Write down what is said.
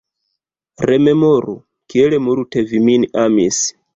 Rememoru, kiel multe vi min amis?